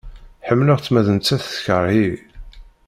Ḥemleɣ-tt ma d nettat tekreh-iyi.